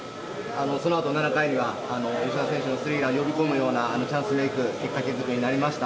そのあと７回には、吉田選手のスリーランを呼び込むようなチャンスメーク、きっかけづくりになりました。